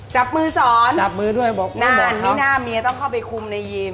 จับมือสอนนานที่หน้าเมียต้องเข้าไปคุมในยิม